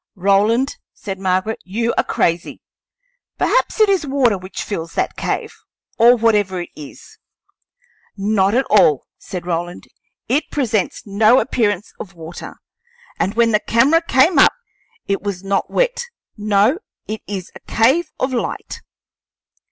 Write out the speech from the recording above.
"Roland," said Margaret, "you are crazy! Perhaps it is water which fills that cave, or whatever it is." "Not at all," said Roland. "It presents no appearance of water, and when the camera came up it was not wet. No; it is a cave of light."